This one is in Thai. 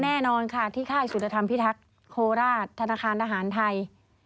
แน่นอนค่ะที่ค่ายสุรธรรมพิทักษ์โคราชธนาคารทหารไทย